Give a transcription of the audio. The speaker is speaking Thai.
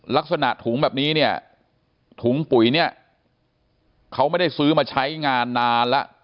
ลักษณะถุงแบบนี้เนี่ยถุงปุ๋ยเนี่ยเขาไม่ได้ซื้อมาใช้งานนานแล้ว